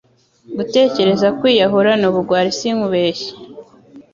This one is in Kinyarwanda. Gutekereza kwiyahura nubugwari sinkubeshye